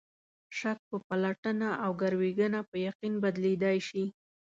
شک په پلټنه او ګروېږنه په یقین بدلېدای شي.